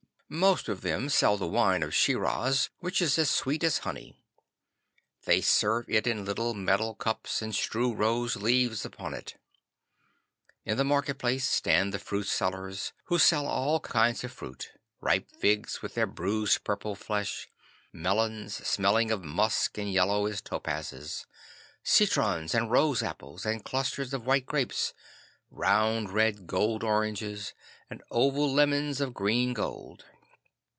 Most of them sell the wine of Schiraz, which is as sweet as honey. They serve it in little metal cups and strew rose leaves upon it. In the market place stand the fruitsellers, who sell all kinds of fruit: ripe figs, with their bruised purple flesh, melons, smelling of musk and yellow as topazes, citrons and rose apples and clusters of white grapes, round red gold oranges, and oval lemons of green gold.